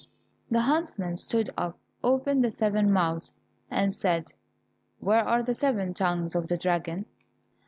The the huntsman stood up, opened the seven mouths, and said, "Where are the seven tongues of the dragon?"